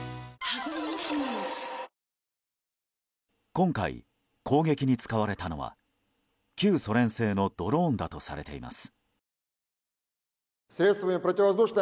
今回、攻撃に使われたのは旧ソ連製のドローンだとされています。